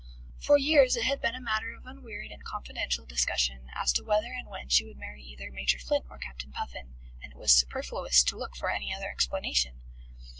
For years it had been a matter of unwearied and confidential discussion as to whether and when she would marry either Major Flint or Captain Puffin, and it was superfluous to look for any other explanation.